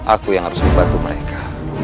aku yang harus membantu mereka